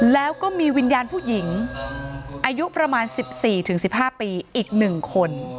แล้วก็มีวิญญาณผู้หญิงอายุประมาณสิบสี่ถึงสิบห้าปีอีกหนึ่งคน